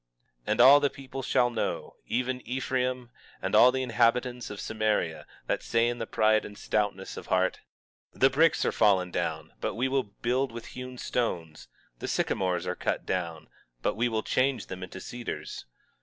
19:9 And all the people shall know, even Ephraim and the inhabitants of Samaria, that say in the pride and stoutness of heart: 19:10 The bricks are fallen down, but we will build with hewn stones; the sycamores are cut down, but we will change them into cedars.